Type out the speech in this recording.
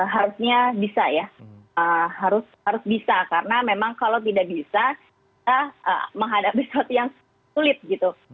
harusnya bisa ya harus bisa karena memang kalau tidak bisa kita menghadapi sesuatu yang sulit gitu